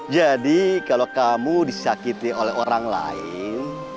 jadi kalau kamu disakiti oleh orang lain